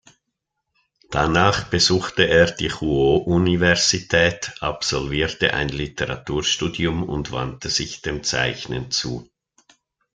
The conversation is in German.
Danach besuchte er die Chūō-Universität, absolvierte ein Literaturstudium und wandte sich dem Zeichnen zu.